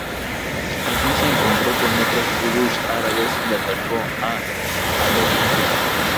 Allí se encontró con otras tribus árabes y atacó a Alodia.